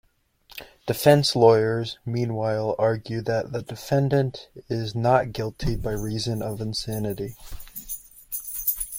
Defense lawyers, meanwhile, argue that the defendant is not guilty by reason of insanity.